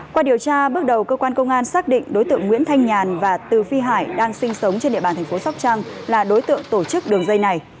qua điều tra bước đầu cơ quan công an xác định đối tượng nguyễn thanh nhàn và từ phi hải đang sinh sống trên địa bàn thành phố sóc trăng là đối tượng tổ chức đường dây này